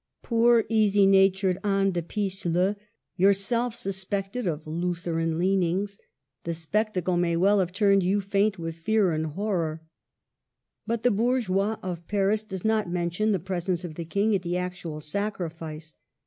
Poor, easy natured Anne de Pisse leu, yourself suspected of Lutheran leanings, the spectacle may well have turned you faint with fear and horror ! But the Bourgeois of Paris does not mention the presence of the King at the actual sacrifice.